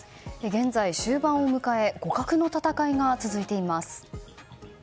現在、終盤を迎え互角の戦いが続いています。